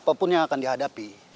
apapun yang akan dihadapi